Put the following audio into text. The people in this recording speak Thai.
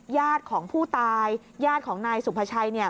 ญาติของผู้ตายย่านของนายสุปชัย